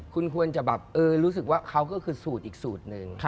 คุณควรจะแบบรู้สึกว่าเขาก็คือสูตรอีกสูตรหนึ่ง